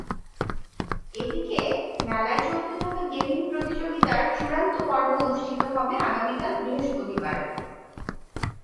এদিকে, মেলায় চলতে থাকা গেমিং প্রতিযোগিতার চূড়ান্ত পর্ব অনুষ্ঠিত হবে আগামীকাল বৃহস্পতিবার।